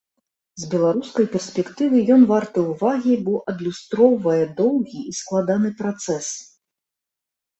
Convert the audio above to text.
З беларускай перспектывы ён варты ўвагі, бо адлюстроўвае доўгі і складаны працэс.